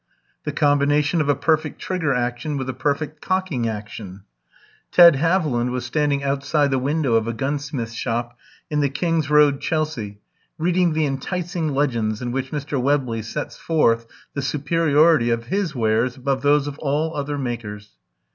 "The combination of a perfect trigger action with a perfect cocking action." Ted Haviland was standing outside the window of a gunsmith's shop in the King's Road, Chelsea, reading the enticing legends in which Mr. Webley sets forth the superiority of his wares above those of all other makers.